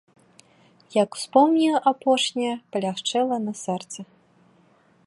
Як успомніў апошняе, палягчэла на сэрцы.